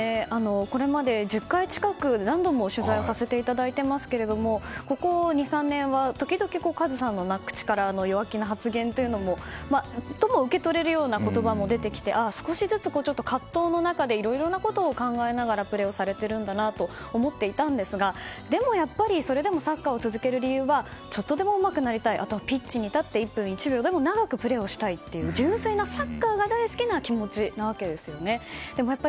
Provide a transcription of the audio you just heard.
これまで１０回近く何度も取材させていただいていますけどもここ２３年は時々、カズさんの弱気な発言というのも受け取れるような言葉も出てきて、少しずつ葛藤の中でいろいろなことを考えながらプレーをされているんだなと思ったんですがそれでもサッカーを続ける理由はちょっとでもうまくなりたいそして、ピッチに立って１分１秒でも長くプレーをしたいという純粋なサッカーが大好きな気持ちなわけですよね。